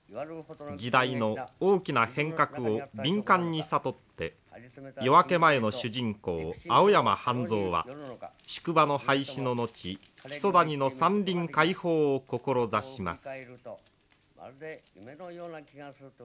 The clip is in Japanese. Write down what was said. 時代の大きな変革を敏感に悟って「夜明け前」の主人公青山半蔵は宿場の廃止の後木曽谷の山林解放を志します。